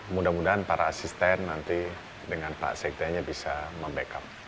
mudah mudahan para asisten nanti dengan pak sekdanya bisa membackup